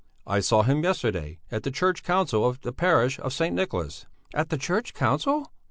I saw him yesterday at the church council of the Parish of St. Nicholas." "At the church council?"